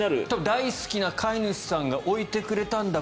大好きな飼い主さんが置いてくれたんだ